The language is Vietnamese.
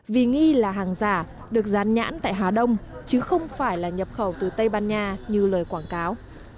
vì nghi là hàng giả được dán nhãn tại hà đông chứ không phải là nhập khẩu từ tây ban nha như lời quảng cáo